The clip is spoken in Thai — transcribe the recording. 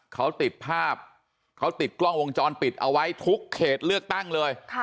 เขาติดภาพเขาติดกล้องวงจรปิดเอาไว้ทุกเขตเลือกตั้งเลย